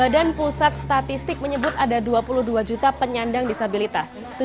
badan pusat statistik menyebut ada dua puluh dua juta penyandang disabilitas